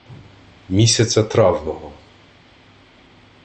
Місяця травного